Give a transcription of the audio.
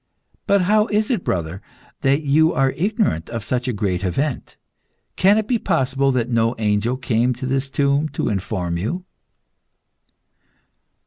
But how is it, brother, that you are ignorant of such a great event? Can it be possible that no angel came to this tomb to inform you?"